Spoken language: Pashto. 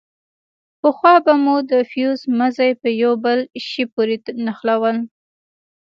پخوا به مو د فيوز مزي په يوه بل شي پورې نښلول.